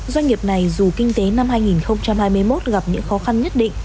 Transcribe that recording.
doanh nghiệp này dù kinh tế năm hai nghìn hai mươi một gặp những khó khăn nhất định